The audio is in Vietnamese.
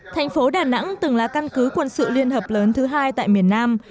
thành phố đà nẵng từng là căn cứ quân sự liên hợp lớn thứ hai tại miền nam